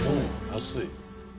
安い。